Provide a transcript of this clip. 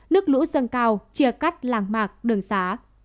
nước lũ dâng cao chia cắt làng mạc đường xá